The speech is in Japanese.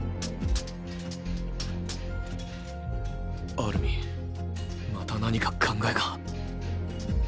アルミンまた何か考えが？